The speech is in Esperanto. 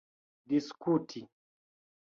diskuti